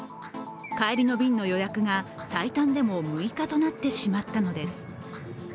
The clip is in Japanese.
帰りの便の予約が最短でも６日となってしまったのです。